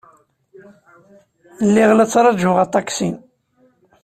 Lliɣ la ttṛajuɣ aṭaksi.